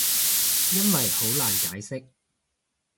因為好難解釋